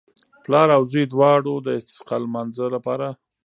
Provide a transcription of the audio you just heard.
پلار او زوی دواړو د استسقا لمانځه لپاره.